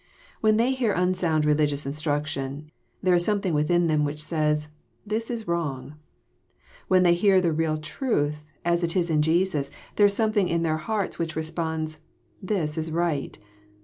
When they hear unsound religious instraction, there is something within them which says, "This is wrong." When they hear the real truth as it is in Jesus, there is something in their hearts which responds, " This is right."